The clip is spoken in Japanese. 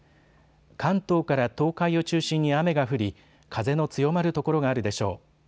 関東から東海を中心に雨が降り風の強まる所があるでしょう。